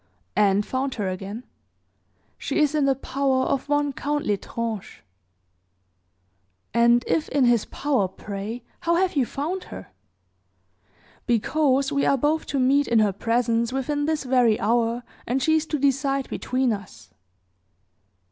"And found her again. She is in the power of one Count L'Estrange." "And if in his power, pray, how have you found her?" "Because we are both to meet in her presence within this very hour, and she is to decide between us."